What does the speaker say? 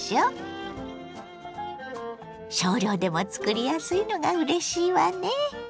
少量でもつくりやすいのがうれしいわね。